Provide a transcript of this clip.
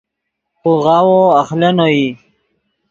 خوغاوو اخلینو ای